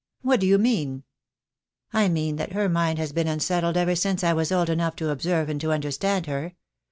"What do you mean?" "I mean that her mind has been unsettled ever since I was old enough to observe and to understand her.